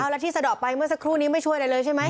เอาแล้วพิธีสะดอกเคราะห์ไปเมื่อสักครู่นี้ไม่ช่วยอะไรเลยใช่ไหม